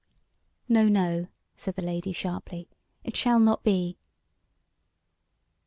"No, no," said the Lady sharply, "it shall not be."